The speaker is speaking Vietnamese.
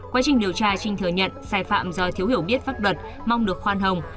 quá trình điều tra trinh thừa nhận sai phạm do thiếu hiểu biết pháp luật mong được khoan hồng